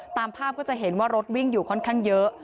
ตามภาพก็จะเห็นว่ารถวิ่งอยู่ค่อนข้างเยอะ